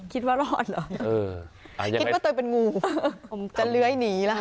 คิดว่ารอดเหรอคิดว่าตัวเองเป็นงูผมจะเลื้อยหนีล่ะ